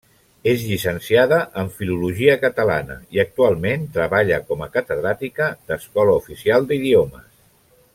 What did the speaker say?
És llicenciada en filologia catalana i actualment treballa com a catedràtica d'Escola Oficial d'Idiomes.